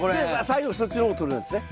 最後にそっちの方に取るわけですね。